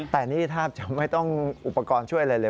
แต่นี่แทบจะไม่ต้องอุปกรณ์ช่วยอะไรเลย